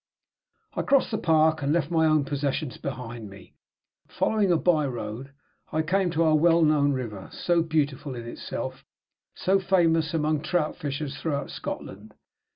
I crossed the park, and left my own possessions behind me. Following a by road, I came to our well known river; so beautiful in itself, so famous among trout fishers throughout Scotland.